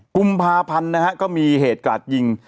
กุมภาพันธ์นะฮะก็มีเหตุกราดยิง